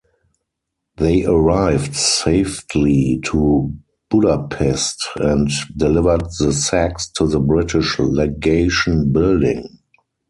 They arrived safely to Budapest and delivered the sacks to the British legation building.